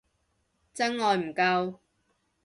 真愛唔夠